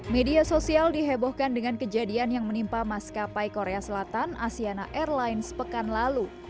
media sosial dihebohkan dengan kejadian yang menimpa maskapai korea selatan asyana airlines pekan lalu